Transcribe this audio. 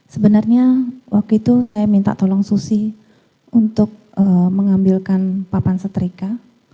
sebenarnya waktu itu saya minta tolong susi untuk mengambilkan papan setrika